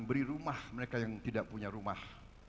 memberi rumah mereka yang tidak punya rumah